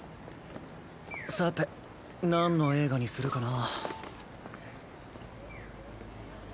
さてなんの映画にするかな。